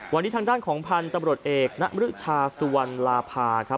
วันนี้ทางด้านของพันธุ์ตำรวจเอกณรชาสุวรรณลาภาครับ